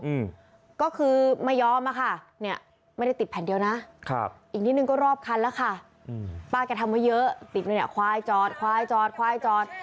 อืมก็คือไม่ยอมอะค่ะเนี่ยไม่ได้ติดแผ่นเดียวนะครับอีกนิดนึงก็รอบคันแล้วค่ะอืมป้าแกทำไว้เยอะติดไว้เนี่ยควายจอดควายจอดควายจอด